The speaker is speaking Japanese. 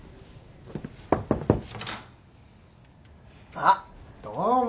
あっどうも。